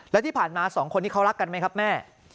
แล้วที่ผ่านมาสองคนนี้เขารักกันไหมครับแม่